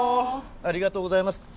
ありがとうございます。